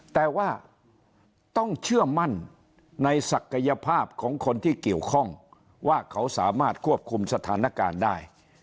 แต่ว่าต้องเชื่อมั่นในศักยภาพของคนที่เกี่ยวข้องว่าเขาสามารถควบคุมสถานการณ์ได้